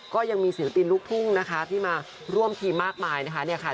ก็ยังมีศิลปินลูกทุ่งนะคะที่มาร่วมทีมมากมายนะคะเนี่ยค่ะ